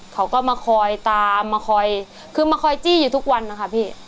เขาก็มาคอยตามมาคอยคือมาคอยจี้อยู่ทุกวันนะคะพี่